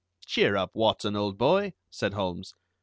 "Cheer up, Watson, old boy," said Holmes.